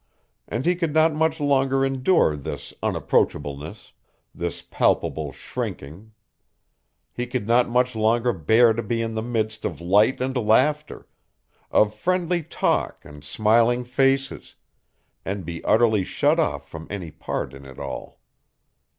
And he could not much longer endure this unapproachableness, this palpable shrinking. He could not much longer bear to be in the midst of light and laughter, of friendly talk and smiling faces, and be utterly shut off from any part in it all.